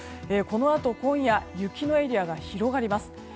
このあと今夜雪のエリアが広がります。